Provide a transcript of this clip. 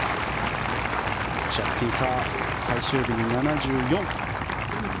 ジャスティン・サー最終日に７４。